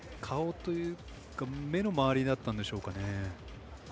顔というか目のまわりだったんでしょうかね。